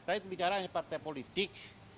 saya bicara partai politik